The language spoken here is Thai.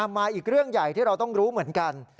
มาอีกเรื่องใหญ่ที่เราต้องรู้เหมือนกัน